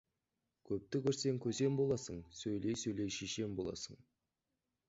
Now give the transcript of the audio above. Көпті көрсең, көсем боласың, сөйлей-сөйлей шешен боласың.